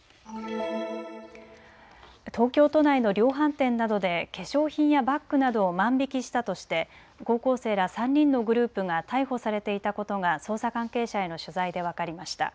東京都内の量販店などで化粧品やバッグなどを万引きしたとして高校生ら３人のグループが逮捕されていたことが捜査関係者への取材で分かりました。